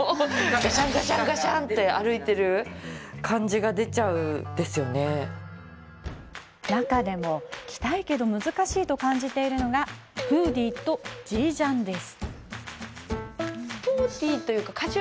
がしゃんがしゃんがしゃんって歩いている中でも、着たいけど難しいと感じているのがフーディーとＧジャンです。